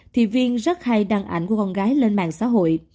thì viên rất hay đăng ảnh của con gái lên mạng xã hội